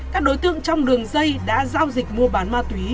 các đối tượng trong đường dây đã giao dịch mua bán ma túy